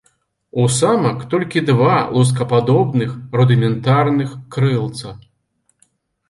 У самак толькі два лускападобных рудыментарных крылца.